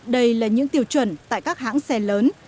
đây là những tiêu chuẩn tại các hãng xe lớn